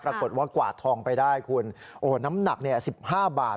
ปรากฏว่ากวาดทองไปได้คุณโอ้น้ำหนักเนี่ย๑๕บาท